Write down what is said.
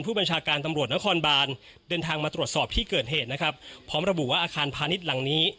ผู้บัญชาการตำรวจนครบานเดินทางมาตรวจสอบที่เกิดเหตุนะครับพร้อมระบุว่าอาคารพาณิชย์หลังนี้